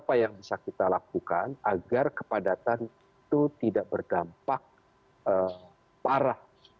apa yang bisa kita lakukan agar kepadatan itu tidak berdampak parah